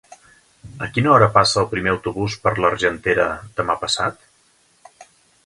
A quina hora passa el primer autobús per l'Argentera demà passat?